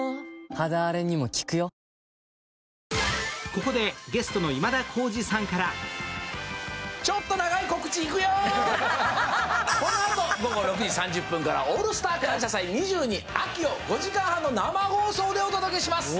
ここでゲストの今田耕司さんからこのあと午後６時３０分から「オールブランチ感謝祭２２秋」を５時間半の生放送でお届けします。